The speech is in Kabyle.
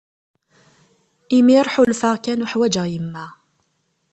Imir ḥulfaɣ kan uḥwaǧeɣ yemma.